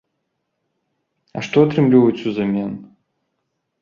А што атрымліваюць узамен?